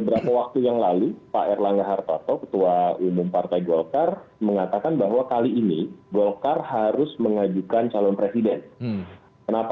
beberapa waktu yang lalu pak erlangga hartarto ketua umum partai golkar mengatakan bahwa kali ini golkar harus mengajukan calon presiden kenapa